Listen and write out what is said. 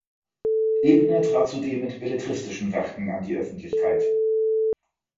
Ebener trat zudem mit belletristischen Werken an die Öffentlichkeit.